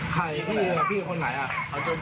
พาพี่เขาช่วยกัน